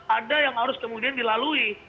ada yang harus kemudian dilalui